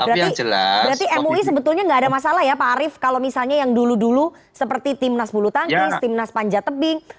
berarti mui sebetulnya nggak ada masalah ya pak arief kalau misalnya yang dulu dulu seperti timnas bulu tangkis timnas panjat tebing